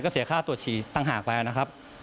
ก็เสียค่าตรวจฉี่ต่างหากไปนะครับ